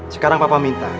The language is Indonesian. sekarang papa minta